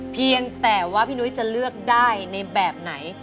เพียงแต่ว่าพี่นุ้ยจะเลือกได้ในแบบไหน